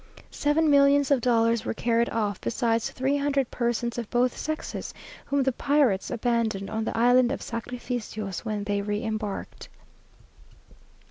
Seven millions of dollars were carried off, besides three hundred persons of both sexes, whom the pirates abandoned on the Island of Sacrificios, when they re embarked.